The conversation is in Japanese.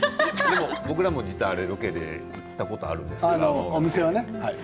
僕らも実はロケで行ったことがあるんですけど。